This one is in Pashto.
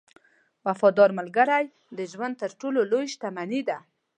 • وفادار ملګری د ژوند تر ټولو لوی شتمنۍ ده.